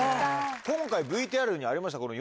今回ＶＴＲにありました。